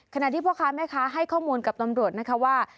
ที่พ่อค้าแม่ค้าให้ข้อมูลกับตำรวจนะคะว่า